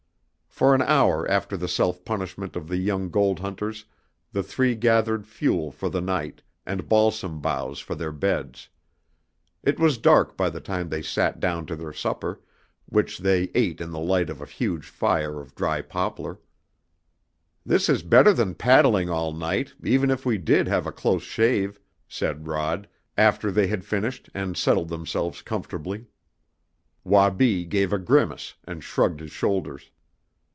For an hour after the self punishment of the young gold hunters the three gathered fuel for the night and balsam boughs for their beds. It was dark by the time they sat down to their supper, which they ate in the light of a huge fire of dry poplar. "This is better than paddling all night, even if we did have a close shave," said Rod, after they had finished and settled themselves comfortably. Wabi gave a grimace and shrugged his shoulders.